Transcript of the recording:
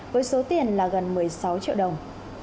với số tiền là gần một mươi sáu triệu đồng